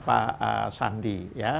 pak andi ya